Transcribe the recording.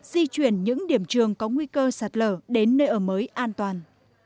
di chuyển những điểm trường có nguy cơ sạt lở đến nơi ở mới an toàn